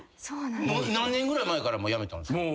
何年ぐらい前からやめたんですか？